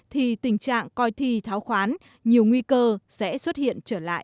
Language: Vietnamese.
thì tình trạng coi thi tháo khoán nhiều nguy cơ sẽ xuất hiện trở lại